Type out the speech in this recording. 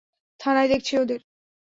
থানায় দেখছি ওদের!